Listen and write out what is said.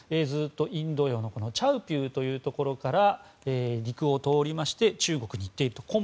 ずっとインド洋のチャウピューというところから陸を通りまして中国に行っていると。